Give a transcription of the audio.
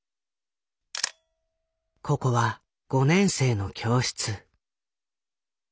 ここは５年生の教室。